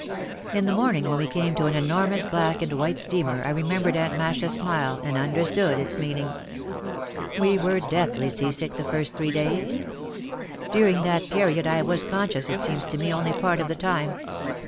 In the morning when we came to an enormous black and white steamer I re membered Aunt Masha's smile and understood its meaning. We were deathly seasick the first three days. During that period I was conscious, it seems to me, only part of the time.